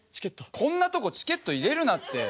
こんなとこチケット入れるなって。